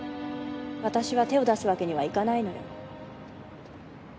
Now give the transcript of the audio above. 私は手を出すわけにはいかないのよ。